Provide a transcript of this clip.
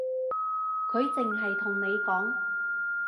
佢淨係同你講